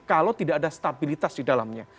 kalau tidak ada stabilitas di dalamnya